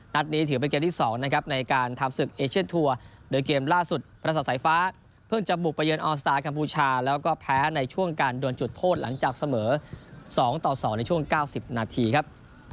นี้ถือเป็นเกมที่๒นะครับในการทำศึกเอเชียนทัวร์โดยเกมล่าสุดประสาทสายฟ้าเพิ่งจะบุกไปเยือนออนสตาร์กัมพูชาแล้วก็แพ้ในช่วงการดวนจุดโทษหลังจากเสมอ๒ต่อ๒ในช่วง๙๐นาทีครับ